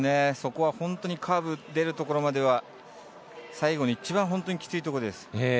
そこは本当にカーブに出るところまでは最後の一番きついところです。